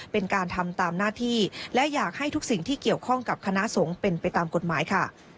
เป็นการทำตามหน้าที่และอยากให้ทุกสิ่งที่เกี่ยวข้องกับคณะสงฆ์เป็นไปตามกฎหมายค่ะ